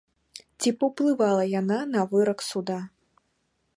Ці паўплывала яна на вырак суда?